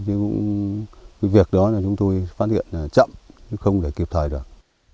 nhưng cũng cái việc đó là chúng tôi phát hiện là chậm chứ không để kịp thời được